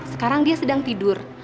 sekarang dia sedang tidur